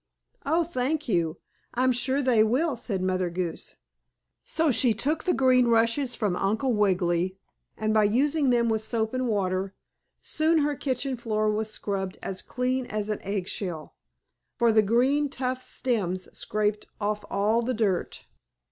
"Oh, thank you! I'm sure they will," said Mother Goose. So she took the green rushes from Uncle Wiggily and by using them with soap and water soon her kitchen floor was scrubbed as clean as an eggshell, for the green, rough stems scraped off all the dirt.